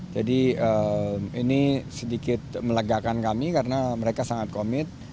jadi ini sedikit melegakan kami karena mereka sangat komit